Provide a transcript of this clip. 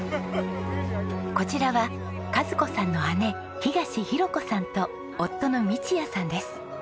こちらは和子さんの姉東ひろ子さんと夫の道也さんです。